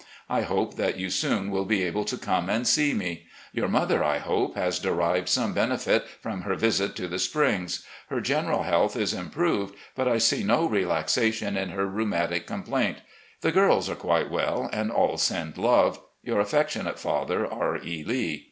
I hope that you soon will be able to come and see us. Your mother, I hope, has derived some benefit from her visit to the Springs. Her general health is improved, but I see no relaxation in her rhetimatic complaint. The girls are quite well, and all send love. ..." Your affectionate father, "R. E. Lee.